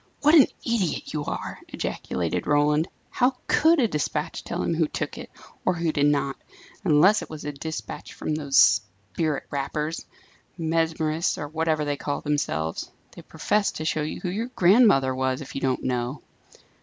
"What an idiot you are!" ejaculated Roland. "How could a despatch tell him who took it, or who did not? unless it was a despatch from those spirit rappers mesmerists, or whatever they call themselves. They profess to show you who your grandmother was, if you don't know!"